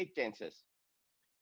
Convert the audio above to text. mereka tidak membuat kesempatan